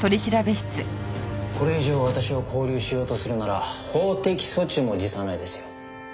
これ以上私を勾留しようとするなら法的措置も辞さないですよ。